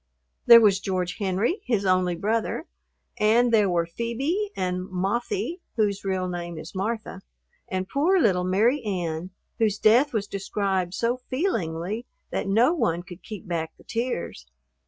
There was George Henry, his only brother; and there were Phoebe and "Mothie," whose real name is Martha; and poor little Mary Ann, whose death was described so feelingly that no one could keep back the tears.